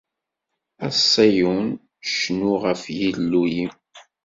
A Ṣiyun, cnu ɣef Yillu-im!